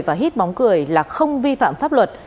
và hít bóng cười là không vi phạm pháp luật